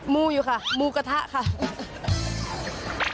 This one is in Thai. มูอยู่ค่ะมูกระทะค่ะ